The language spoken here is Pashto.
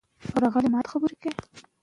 لوبې د ماشوم مهارتونه لوړوي.